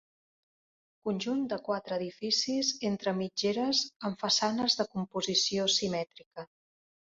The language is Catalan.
Conjunt de quatre edificis entre mitgeres amb façanes de composició simètrica.